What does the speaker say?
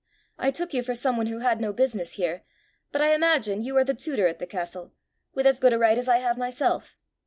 "I took you for some one who had no business here; but I imagine you are the tutor at the castle, with as good a right as I have myself."